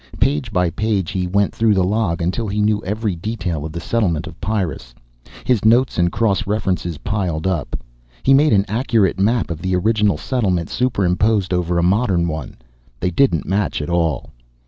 Page by page he went through the log, until he knew every detail of the settlement of Pyrrus. His notes and cross references piled up. He made an accurate map of the original settlement, superimposed over a modern one. They didn't match at all.